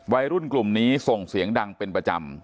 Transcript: วัยรุ่นกลุ่มนี้ส่งเสียงดังเป็นประจำ